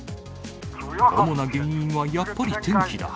主な原因はやっぱり天気だ。